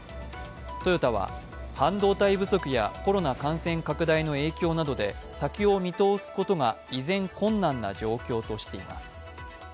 トヨタは、半導体不足やコロナ感染拡大の影響などで先を見通すことが依然困難な状況としています。